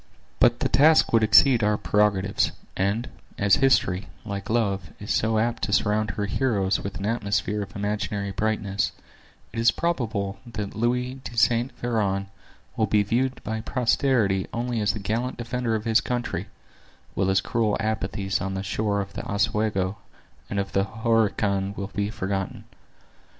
But the task would exceed our prerogatives; and, as history, like love, is so apt to surround her heroes with an atmosphere of imaginary brightness, it is probable that Louis de Saint Veran will be viewed by posterity only as the gallant defender of his country, while his cruel apathy on the shores of the Oswego and of the Horican will be forgotten.